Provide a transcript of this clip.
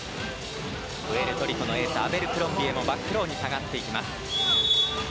プエルトリコのエースアベルクロンビエもバックローに下がっていきます。